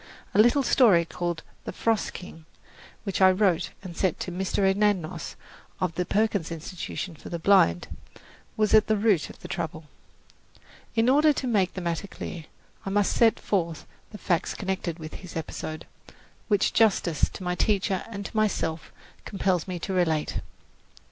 A little story called "The Frost King," which I wrote and sent to Mr. Anagnos, of the Perkins Institution for the Blind, was at the root of the trouble. In order to make the matter clear, I must set forth the facts connected with this episode, which justice to my teacher and to myself compels me to relate.